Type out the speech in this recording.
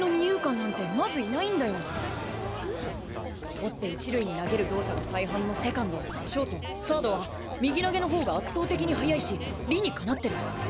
捕って一塁に投げる動作が大半のセカンドショートサードは右投げの方が圧倒的に速いし理にかなってる。